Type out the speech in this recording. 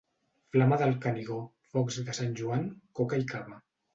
Flama del Canigó, focs de Sant Joan, coca i cava.